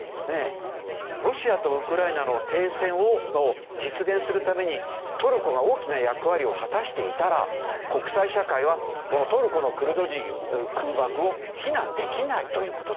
ロシアとウクライナの停戦を実現するためにトルコが大きな役割を果たしていたら国際社会はこのトルコのクルド人空爆を非難できないという事ですよね。